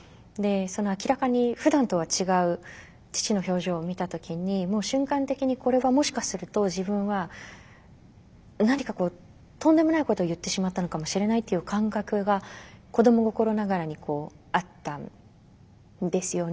明らかにふだんとは違う父の表情を見た時にもう瞬間的にこれはもしかすると自分は何かとんでもないことを言ってしまったのかもしれないという感覚が子ども心ながらにあったんですよね。